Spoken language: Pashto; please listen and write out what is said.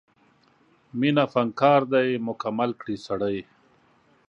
مینه فنکار دی مکمل کړي سړی